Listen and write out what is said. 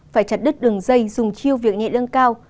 phải chặt đứt đường dây dùng chiêu việc nhẹ lương cao